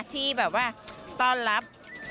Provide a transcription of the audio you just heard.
ที่แบบว่าต้อนรับ